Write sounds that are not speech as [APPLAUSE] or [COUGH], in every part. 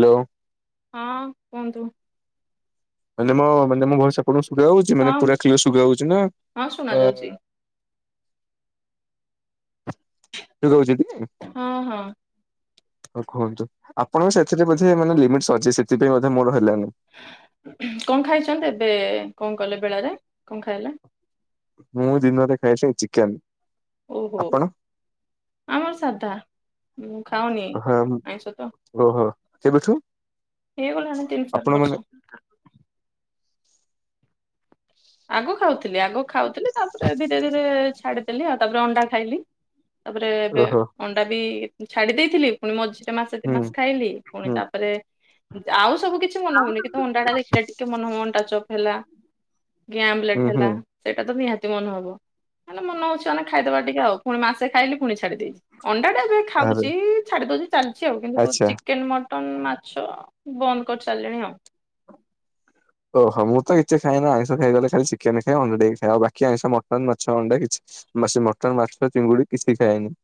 Hello. ହଁ କୁହନ୍ତୁ। ମାନେ ମୋ ମାନେ ମୋ ଭଏସ ସେପଟକୁ ଶୁଭା ଯାଉଛି ହଁ ମାନେ ପୁରା କ୍ଲିୟର ଶୁଭା ଯାଉଛି ନା ହଁ ଶୁଣା ଅ ଯାଉଛି [UNINTELLIGIBLE] ହଁ ହଁ। ହଉ କୁହନ୍ତୁ ଆପଣ ସେଥିରେ ବୋଧେ ମାନେ ଲିମିଟସ ଅଛି ସେଥିପାଇଁ ବୋଧେ ମୋର ହେଲାନି। କଣ ଖାଇଛନ୍ତି ଏବେ କଣ କଲେ ବେଳାରେ କଣ ଖାଇଲେ? ମୁଁ ଦିନରେ ଖାଇଛି ଚିକେନ୍। ଓହୋ ଆମର ସାଧା। ହୁଁ ଖାଉନି ହଁ ଆଇଁଷ ତ। ଓହୋ କେବେଠୁ ହେଇଗଲାଣି ତିନି ଆପଣ ଚାରି ମାନେ ବର୍ଷ। ଆଗ ଖାଉଥିଲି ଆଗ ଖାଉଥିଲି ତାପରେ ଧୀରେ ଧୀରେ ଛାଡିଦେଲି ଆଉ ତାପରେ ଅଣ୍ଡା ଖାଇଲି। ତାପରେ ଏବେ ଓହୋ ଅଣ୍ଡା ବି ଉ ଛାଡି ଦେଇଥିଲି। ପୁଣି ମଝିରେ ମାସେ ଦି ହୁଁ ମାସେ ଖାଇଲି ପୁଣି ହୁଁ ତାପରେ ଆଉ ସବୁ କିଛି ମନେ ହଉନି କିନ୍ତୁ ଅଣ୍ଡାଟା ଦେଖିଲେ ଟିକେ ମନ ହୁ ଅଣ୍ଡା ଚପ୍ ହେଲା। କି ଆମଲେଟ୍ ହୁଁ ହେଲା। ହୁଁ ସେଇଟା ତ ନିହାତି ମନ ହବ ମାନେ ମନ ହଉଛି ମାନେ ଖାଇଦବା ଟିକେ ଆଉ ପୁଣି ମାସେ ଖାଇଲି ପୁଣି ଛାଡି ଦେଇଛି। ଅଣ୍ଡା ଟା ଏବେ ଆରେ ଖାଉଛି ଛାଡି ଦଉଛି ଚାଲିଛି ଆଉ କିନ୍ତୁ ଆଚ୍ଛା। ଚିକେନ ମ ଟନ ମାଛ ବନ୍ଦ କରି ସାରିଲିଣି ଆଉ। ଓହୋ ମୁଁ ତ କିଛି ଖାଏନା ଆଇଁଷ ଖାଏ କହିଲେ ଖାଲି ଚିକେନ ଖାଏ ଅଣ୍ଡା ଟିକେ ଖାଏ। ଆଉ ବାକି ଆଇଁଷ ମଟନ୍ ମାଛ ଅଣ୍ଡା କିଛି ମା ସେ ମଟନ୍ ମାଛ ଚିଙ୍ଗୁଡି କିଛି ଖାଏନି।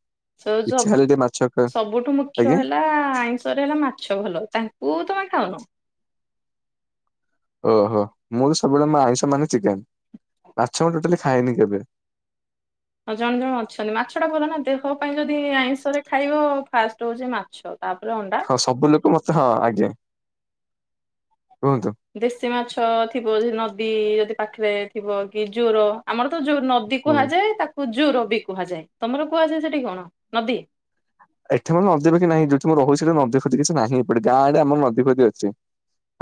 ଯୋଉ ଇଚ୍ଛା ହେଲେ ସବୁ ଟିକେ ମାଛ ଖା ସବୁଠୁ ମୁଖ୍ୟ ଆଜ୍ଞା ହେଲା ଆଇଁଷରେ ହେଲା ମାଛ ମାଛ ଭଲ ତାଙ୍କୁ ତମେ ଖାଉନ। ଓହୋ ମୁଁ ତ ସବୁବେଳେ ମୋ ଆଇଁଷ ମାନେ ଚିକେନ ମାଛ ମୁଁ ଟୋଟାଲି ଖାଏନି କେବେ। ହଁ ଜଣେ ଜଣେ ଅଛନ୍ତି ମାଛ ଟା ଭଲ ନା ଦେହ ପାଇଁ ଯଦି ଆଇଁଷରେ ଖାଇବ ଫାଷ୍ଟ ହଉଛି ମାଛ। ତାପରେ ଅଣ୍ଡା। ହଁ ସବୁ ଲୋକ ମତ ହଁ ଆଜ୍ଞା କୁହନ୍ତୁ। ଦେଶୀ ମାଛ ଥିବ ଯଦି ନଦୀ ଯଦି ପାଖରେ ଥିବ କି ଜୋର ଆମର ତ ଜୋର ନଦୀ ହୁଁ। କୁହାଯାଏ ତାକୁ ଜୁର ବି କୁହାଯାଏ। ତମର କୁହାଯାଏ ସେଠି କଣ ନଦୀ? ଏଠି ମୋର ନଦୀଫଦି ନାହିଁ ଯୋଉଠୀ ମୁଁ ରହୁଛି ସେଠି ନଦୀଫଦି କିଛି ନାହିଁ ଏପଟେ ଗାଁରେ ଆମର ନଦୀଫଦି ଅଛି।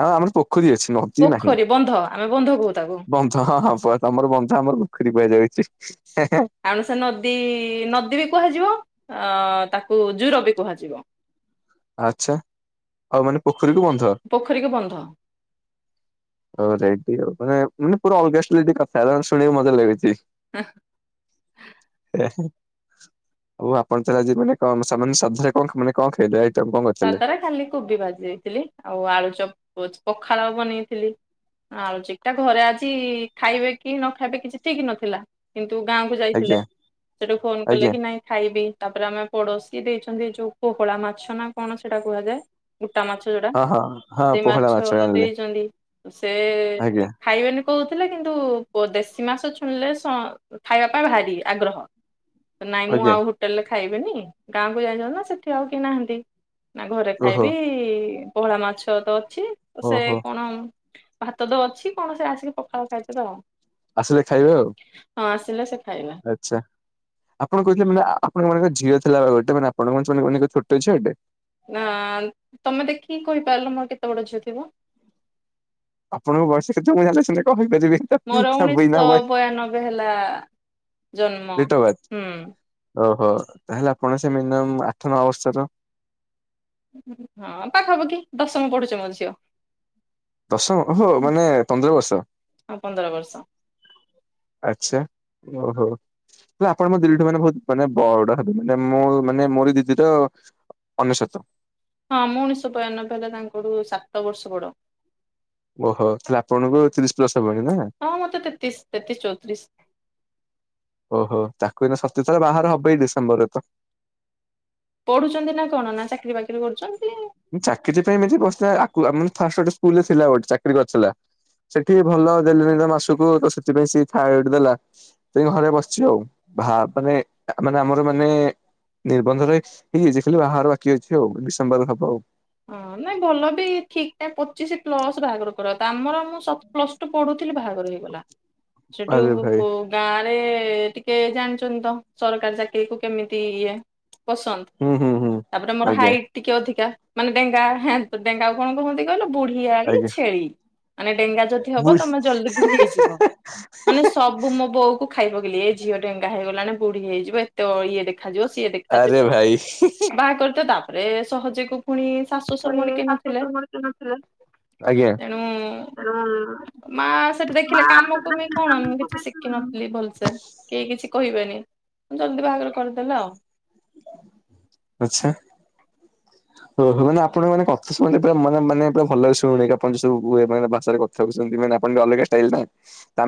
ହଁ ଆମର ପୋଖରୀ ଅଛି ନଦୀ ନାହିଁ ପୋଖରୀ ବନ୍ଧ ଆମେ ବନ୍ଧ କହୁ ତାକୁ ବମ ହଁ ହଁ ହବ ତମର ବନ୍ଧ ଆମର ପୋଖରୀ କୁହାଯାଉଛି ଯେ ହେ ହେ। ଆଣୁ ସେ ନଦୀ ନଦୀ ବି କୁହାଯିବ ଆ ତାକୁ ଜୁର ବି କୁହାଯିବ। ଆଚ୍ଛା ଆଉ ମାନେ ପୋଖରୀକୁ ବନ୍ଧ। ପୋଖରୀକୁ ବନ୍ଧ। [INAUDIBLE] ଓହୋ ମାନେ ମାନେ ପୁରା ଅଲଗା ଶୁଣିବାକୁ ମଜା ଲାଗୁଛି। ହୂ। ଏହେ। ଆଉ ଆପଣ ତାହାଲେ ଆଜି ମାନେ କଣ ସ ମାନେ ଶ୍ରଦ୍ଧାରେ କଣ ମାନେ କଣ ଖାଇଲେ ଆ ସଧାରେ ଖାଲି କୋବି ଭାଜି ଦେଇଥିଲି। ଆଉ ଆଳୁ ଚ ପଖାଳ ବନେଇଥିଲି ଆଳୁଚିକଟା ଘରେ ଆଜି ଖାଇବେ କି ନ ଖାଇବେ କିଛି ଠିକ ନଥିଲା କିନ୍ତୁ ଗାଁ କୁ ଆଜ୍ଞା ଯାଇଥିଲେ ସେଠୁ ଫୋନ କଲେ ଆଜ୍ଞା କି ନାଇଁ ଖାଇବି ତାପରେ ଆମେ ପଡୋଶୀ ଦେଇଛନ୍ତି ଯୋଉ ପୋହଳା ମାଛ ନା କଣ ସେଇଟା କୁହାଯାଏ ଗୋଟା ମାଛ ଯୋଉଟା। ହଁ ହଁ ହଁ ସେଇ ପୋହଳା ମାଛ ଆଣିଲେ ଦେଇଛନ୍ତି ସେ ଆଜ୍ଞା ଖାଇବେନି କହୁଥିଲେ କିନ୍ତୁ ପ ଦେଶୀ ମାସ ଶୁଣିଲେ ଖାଇବା ପାଇଁ ଭାରି ଆଗ୍ରହ। ନାଇଁ ମୁଁ ଆଜ୍ଞା ଆଉ ହୋଟେଲରେ ଖାଇବିନି ଗାଁକୁ ଯାଇଚନ୍ତୀ ତ ସେଠି ଆଉ କେହି ନାହାନ୍ତି। ନା ଘରେ ଓହୋ ଖାଇବି ପୋହଳା ମାଛ ତ ଅଛି ସେ ଓହୋ। କଣ ଭାତ ଦ ଅଛି କଣ ସେ ଆସିକି ପଖାଳ ଖାଇଦେବେ ଆଉ। ଆସିଲେ ଖାଇବେ ଆଉ। ହଁ ଆସିଲେ ସେ ଖାଇବା। ଆଚ୍ଛା ଆପଣ କହୁଥିଲେ ମାନେ ଆପଣଙ୍କ ମାନେ ଝିଅ ଥିଲା ଗୋଟେ ମାନେ ଆପଣଙ୍କ ଝିଅ କଣ ଛୋଟ ଝିଅଟେ? ନା ତମେ ଦେଖିକି କହିପାରିଲ ମୋର କେତେ ବଡ ଝିଅ ଥିବ। ଆପଣଙ୍କୁ ବୟସ କେତେ ମୁଁ ଜାଣିଲେ ସିନା କହିପାରିବି। ମୋର ତ ଉଣେଇଶ ବିନା ଶହ ବୟ ବୟାନବେ ହେଲା ଜନ୍ମ ଡେଟ୍ ଅଫ୍ ବାର୍ଥ ହୁଁ। ଓହୋ ତାହେଲେ ଆପଣ ସେ ମିନିମମ ଆଠ ନଅ ବର୍ଷର। ହଁ ପାଖାପାଖି ଦଶମ ପଢୁଛି ମୋ ଝିଅ। ଦଶମ ହୋ ମାନେ ପନ୍ଦର ବର୍ଷ। ହଁ ପନ୍ଦର ବର୍ଷ ଆଚ୍ଛା ଓହୋ। ହେ ଆପଣ ମୋ ଦିଦିଠୁ ମାନେ ବହୁତ ମାନେ ବଡ ହେବେ ମାନେ ମୁଁ ମାନେ ମୋରି ଦିଦ ତ ଅ ଅନେଶତ। ହଁ ମୁଁ ଉଣେଇଶହ ବୟାନବେ ହେଲା ତାଙ୍କଠୁ ସାତ ବର୍ଷ ବଡ। ଓହୋ ତାହାଲେ ଆପଣଙ୍କୁ ତିରିଶ ପ୍ଲସ ହବଣି ନା। ହଁ ମତେ ତେତିଶ ତେତିଶ ଚଉତିରିଶ। ଓହୋ ତାକୁ ଏଇନା ସତେଇଶ ତାର ବାହାଘର ହବ ଏଇ ଡିସେମ୍ବର ରେ ତ। ପଢୁଛନ୍ତି ନା କଣ ନା ଚାକିରି ବାକିରି କରୁଛନ୍ତି? ଚାକିରି ପାଇଁ ଏମିତି ବସିିଥିଲା ଆକୁ ମାନେ ଫାଷ୍ଟ ଗୋଟେ ସ୍କୁଲରେ ଥିଲା ଗୋଟେ ଚାକିରି କରିଥିଲା। ସେଠି ଭଲ ଦେଲେନି ତ ମାସୁକୁ ତ ସେଥିପାଇଁ ସେ ଥାଇରଏଡ ଦେଲା। ସେଇ ଘରେ ବସିଛି ଆଉ ଭା ମାନେ ମାନେ ଆମର ମାନେ। ନିର୍ବନ୍ଧରେ ହେଇଯାଇଛି ଖାଲି ବାହାଘର ବାକି ଅଛି ହଉ ଡିସେମ୍ବର ହବ ଆଉ। ହଁ ନାଇଁ ଭଲ ବି ଠିକ ଠାକ୍ ପଚିଶ। ପ୍ଲସ ବାହାଘର କର ତା ଆମର ମୁଁ ସତ ପ୍ଲସ ଟୁ ପଢୁଥିଲି ବାହାଘର ହେଇଗଲା। ସେଠୁ ଆରେ ଉ ଭାଇ ବୁ। ଗାଁ ରେ ଟିକେ ଜାଣିଛନ୍ତି ତ ସରକାର ଚାକିରି କୁ କେମିତି ଇଏ। ପସନ୍ଦ ହୁଁ ହୁଁ ହୁଁ ତାପରେ ମୋର ଆଜ୍ଞା ହାଇଟ ଟିକେ ଅଧିକା ମାନେ ଡେଙ୍ଗା ହେ ତ ଡେଙ୍ଗା। ଆପଣ କୁହନ୍ତି ଗହିଲ ବୁଢିଆଳି ଆଜ୍ଞା ଛେଳି ମାନେ ଡେଙ୍ଗା ଯଦି। ହବ ବୁଝ ତମେ ଜଲଦି ବୁଢି ହେଇଆସିବ ମାନେ ସବୁ। ଆବୁ ମୋ ବୋଉକୁ ଖାଇବଗଲି ଏ ଝିଅ ଡେଙ୍ଗାହେଇ ଗଲାଣି ବୁଢୀ ହେଇଯିବ ଏତେ ଇଏ। ଦେଖାଯିବ ସିଏ ଆରେ ଦେଖାଯିବ ଭାଇ। ବାହା କରିଥିବ ତାପରେ ସହଜକୁ। ପୁଣି ଶାଶୁ ଶ ପୁଣି ମରେ କି ଶାଶୁ ନଥିଲେ। ଶଶୁର କେହି ନଥିଲେ। ଆଜ୍ଞା। ତେଣୁ ତେଣୁ ମା ସେଠୁ ମା ଦେଖିଲେ କାମକୁ ବି କଣ ମୁଁ କିଛି ଶିଖି ଖୀ ନଥିଲି ଭଲସେ କେହି କିଛି କହିବେନି ଜଲଦି ବାହାଘର କରିଦେଲା ଆଉ। ଆଛା ଓ ହୋ ମାନେ ଆପଣ ମାନେ କଥା ସୁଭୂନେଇ ପୁରା ମାନେ ମାନେ ପୁର ଭଲରେ ଶୁଣେ କିପଣ ସବୁ ମେ ଭାଷାରେ ସବୁ ସେମିତି ମାନେ ଆପଣଙ୍କ ଅଲଗା ଷ୍ଟାଇଲ ନା। ତା